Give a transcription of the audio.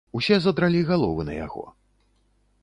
Усе задралі галовы на яго.